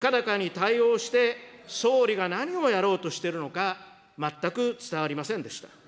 世の中に対しても、物価高に対応して総理が何をやろうとしているのか、全く伝わりませんでした。